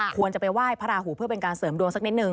ควรจะไปไหว้พระราหูเพื่อเป็นการเสริมดวงสักนิดนึ